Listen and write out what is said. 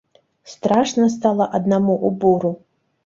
Страшна стала аднаму ў буру.